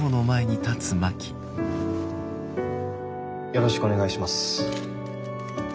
よろしくお願いします。